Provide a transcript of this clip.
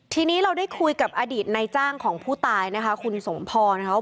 ทีนี้เราได้คุยกับอดีตในจ้างของผู้ตายนะคะคุณสมพรนะครับ